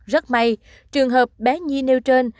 rất may trường hợp bé nhi nêu trên